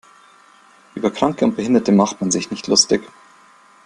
Über Kranke und Behinderte macht man sich nicht lustig.